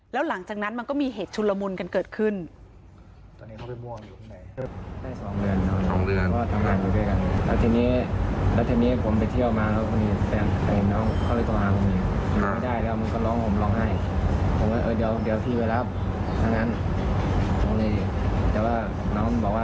แล้วหลังจากนั้นมันก็มีเหตุชุนละมุนกันเกิดขึ้น